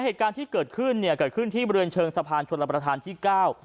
เหตุการณ์ที่เกิดขึ้นเนี่ยเกิดขึ้นที่บริเวณเชิงสะพานชนรับประทานที่เก้า